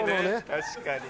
確かに。